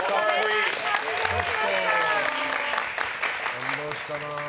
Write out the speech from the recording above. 感動したな。